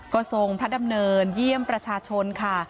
ก็ทรงพระดำเนินเยี่ยมประชาชนค่ะ